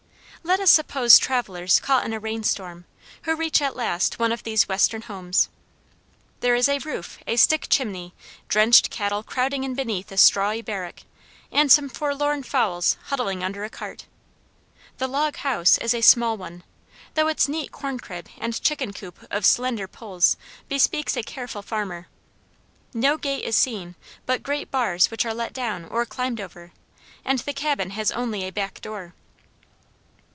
Let us suppose travelers caught in a rain storm, who reach at last one of these western homes. There is a roof, a stick chimney, drenched cattle crowding in beneath a strawy barrack, and some forlorn fowls huddling under a cart. The log house is a small one, though its neat corn crib and chicken coop of slender poles bespeaks a careful farmer. No gate is seen, but great bars which are let down or climbed over, and the cabin has only a back door.